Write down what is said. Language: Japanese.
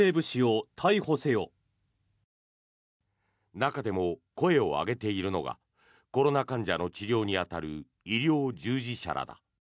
中でも声を上げているのがコロナ患者の治療に当たる医療従事者らだ。